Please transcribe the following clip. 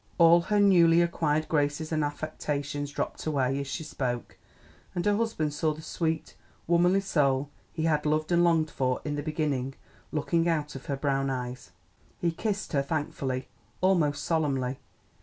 All her little newly acquired graces and affectations dropped away as she spoke, and her husband saw the sweet, womanly soul he had loved and longed for in the beginning looking out of her brown eyes. He kissed her thankfully, almost solemnly.